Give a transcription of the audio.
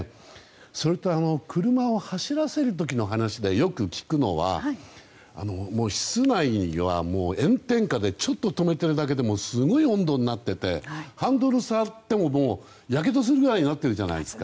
それと、車を走らせる時の話でよく聞くのは車内は炎天下でちょっと止めてるだけでもすごい温度になっててハンドルを触ってもやけどするぐらいになってるじゃないですか。